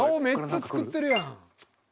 めっちゃ作ってるやん］